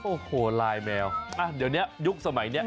โอ้โหลายแมวเดี๋ยวนี้ยุคสมัยนี้